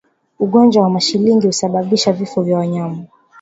Ugonjwa wa mashingi husababisha vifo kwa wanyama